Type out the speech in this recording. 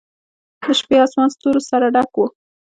د شپې آسمان ستورو سره ډک و.